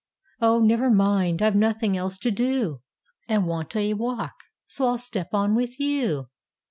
"Oh, never mind: I've nothing else to do, And want a walk, so I'll step on with you."